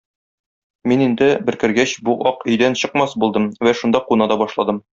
Мин инде, бер кергәч, бу ак өйдән чыкмас булдым вә шунда куна да башладым.